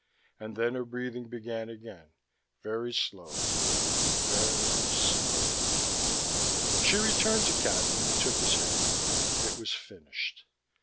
and then her breathing began again, very slowly, very slowly. She returned to Cadnan and took his hand. It was finished.